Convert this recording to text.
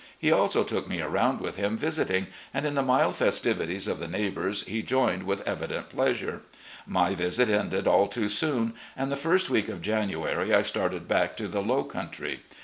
He also took me arotmd with him visiting, and in the mild festivities of the neigh bours he joined with evident pleasure. My visit ended all too soon, and the first week of January I started back to the "low country."